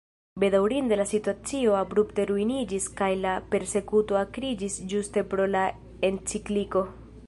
Bedaŭrinde la situacio abrupte ruiniĝis kaj la persekuto akriĝis ĝuste pro la encikliko.